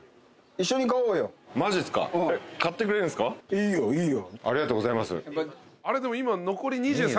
いいよいいよ。